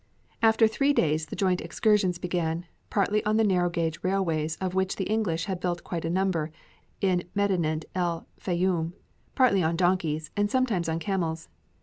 After three days the joint excursions began; partly on the narrow gauge railways of which the English had built quite a number in Medinet el Fayûm, partly on donkeys, and sometimes on camels.